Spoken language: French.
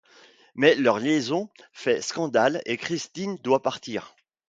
Mais leur liaison fait scandale et Christine doit partir.